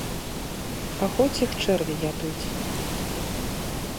А хоць іх чэрві ядуць.